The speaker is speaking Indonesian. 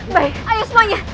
baik ayo semuanya